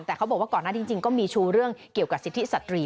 แต่เขาบอกว่าก่อนหน้าจริงก็มีชูเรื่องเกี่ยวกับสิทธิสตรี